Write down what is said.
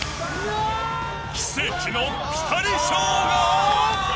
奇跡のピタリ賞が。